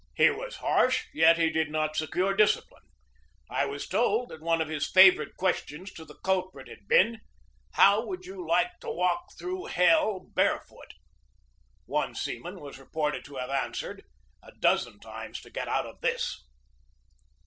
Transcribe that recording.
He was harsh, yet he did not secure discipline. I was told that one of his favorite questions to a culprit had been: "How would you like to walk through hell barefoot?" One seaman was reported to have answered: "A dozen times to get out of this!"